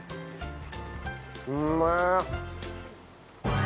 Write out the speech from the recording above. うめえ。